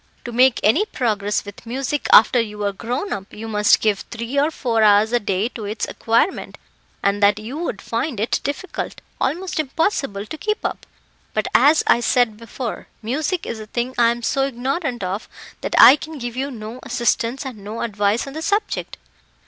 To make any progress with music after you are grown up, you must give three or four hours a day to its acquirement, and that you would find it difficult almost impossible to keep up. But, as I said before, music is a thing I am so ignorant of that I can give you no assistance and no advice on the subject."